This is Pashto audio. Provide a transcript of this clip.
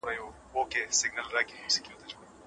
ولي ځينې دودونه له منځه ځي؟